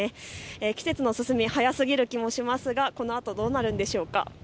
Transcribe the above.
季節の進み早すぎる気もしますがこのあとどうなるんでしょうか。